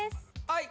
はい